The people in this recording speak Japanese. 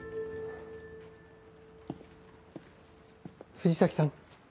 藤崎さん